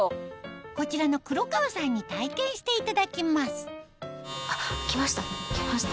こちらの黒川さんに体験していただきます来ました来ました。